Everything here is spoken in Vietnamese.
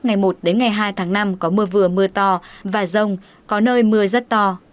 ngày một đến ngày hai tháng năm có mưa vừa mưa to và rông có nơi mưa rất to